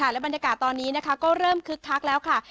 และบรรยากาศตอนนี้ก็เริ่มคึกคักแล้วค่ะ